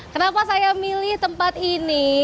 kenapa saya milih tempat ini